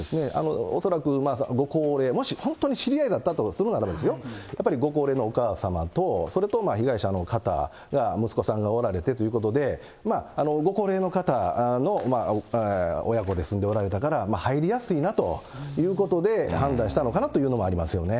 恐らく、ご高齢、もし本当に知り合いだったとするならですよ、やっぱりご高齢のお母様と、それと被害者の方が息子さんがおられてということで、ご高齢の方の親子で住んでおられたから、入りやすいなということで判断したのかなというのもありますよね。